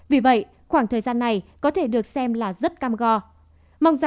vì vậy khoảng thời gian này có thể được xem là rất cam go